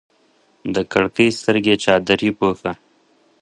د کړکۍ سترګې چادرې پوښه